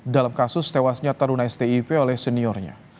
dalam kasus tewasnya taruna stip oleh seniornya